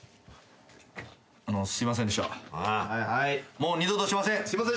もう二度としません。